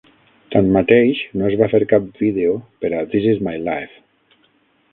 Tanmateix no es va fer cap vídeo per a "This Is My Life".